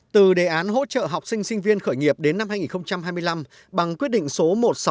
từ đề án hỗ trợ học sinh sinh viên khởi nghiệp đến năm hai nghìn hai mươi năm bằng quyết định số một nghìn sáu trăm sáu mươi